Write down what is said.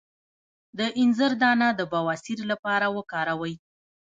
د انځر دانه د بواسیر لپاره وکاروئ